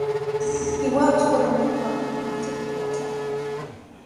He worked for the new company as a reporter.